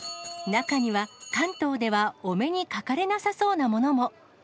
中には、関東ではお目にかかれなさそうなものも。